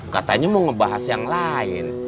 katanya mau ngebahas yang lain